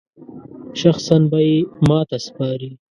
شخصاً به یې ماته سپاري.